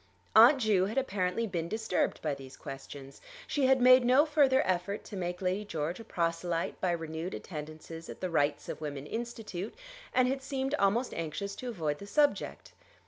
Aunt Ju had apparently been disturbed by these questions. She had made no further effort to make Lady George a proselyte by renewed attendances at the Rights of Women Institute, and had seemed almost anxious to avoid the subject.